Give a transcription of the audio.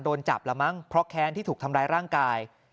โดนจับละมั้งเพราะแค้นที่ถูกทำร้ายร่างกาย